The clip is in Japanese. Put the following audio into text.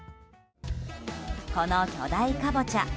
この巨大カボチャ